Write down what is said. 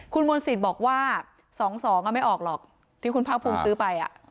คุณมนต์สิทธิ์บอกว่า๒๒ไม่ออกหรอกที่คุณภาคภูมิซื้อไป